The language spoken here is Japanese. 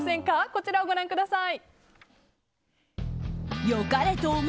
こちらをご覧ください。